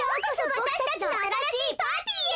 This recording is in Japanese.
わたしたちのあたらしいパーティーへ！